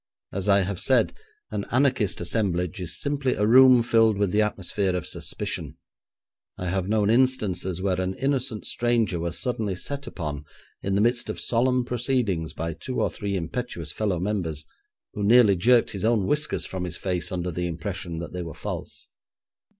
As I have said, an anarchist assemblage is simply a room filled with the atmosphere of suspicion. I have known instances where an innocent stranger was suddenly set upon in the midst of solemn proceedings by two or three impetuous fellow members, who nearly jerked his own whiskers from his face under the impression that they were false.